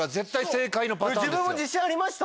自分も自信ありました。